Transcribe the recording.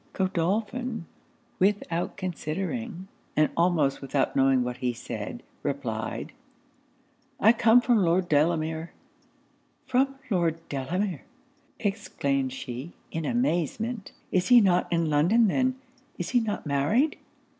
Godolphin, without considering, and almost without knowing what he said, replied 'I come from Lord Delamere.' 'From Lord Delamere!' exclaimed she, in amazement. 'Is he not in London then? is he not married?'